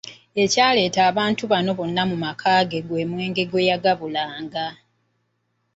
Ekyaleeta abantu abo bonna mu maka ge gwe mwenge gweyagabula.